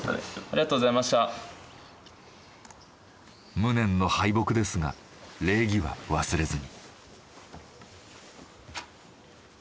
無念の敗北ですが礼儀は忘れずに。